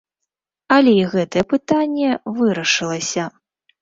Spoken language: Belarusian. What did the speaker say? Але і гэтае пытанне вырашылася.